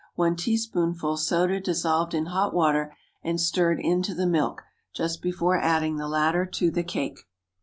1 teaspoonful soda dissolved in hot water, and stirred into the milk just before adding the latter to the cake.